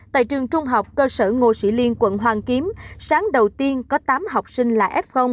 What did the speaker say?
tại trường trung học cơ sở ngô sĩ liên quận hoàn kiếm sáng đầu tiên có tám học sinh là f